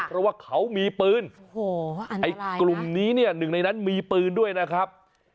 เพราะว่าเขามีปืน๑ในนั้นมีปืนด้วยนะครับ